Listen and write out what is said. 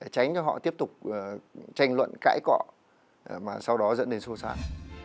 tránh cho họ tiếp tục tranh luận cãi cọ mà sau đó dẫn đến xô xát